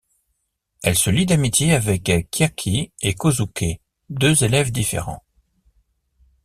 Elle se lie d'amitié avec Chiaki et Kôsuke, deux élèves différents.